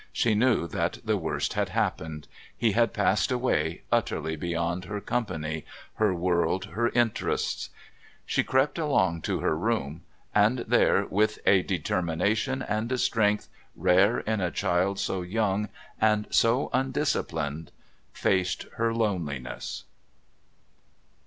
She knew that the worst had happened. He had passed away, utterly beyond her company, her world, her interests. She crept along to her room, and there, with a determination and a strength rare in a child so young and so undisciplined, faced her loneliness.